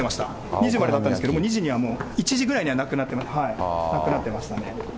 ２時までだったんですけれども、２時にはもう、１時ぐらいにはなくなってましたね。